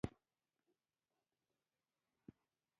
هغې د زړه له کومې د عطر ستاینه هم وکړه.